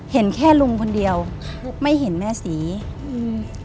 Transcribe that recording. เห็นแค่ลุงคนเดียวครับไม่เห็นแม่ศรีอืม